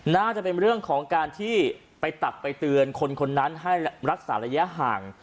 น่าจะเป็นเรื่องของการที่ไปตักไปเตือนคนคนนั้นให้รักษาระยะห่าง